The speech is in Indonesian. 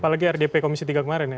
apalagi rdp komisi tiga kemarin ya